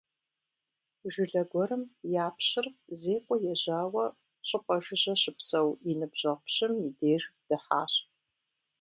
Жылэ гуэрым япщыр зекӀуэ ежьауэ щӏыпӏэ жыжьэ щыпсэу и ныбжьэгъу пщым и деж дыхьащ.